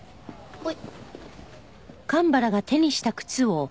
はい。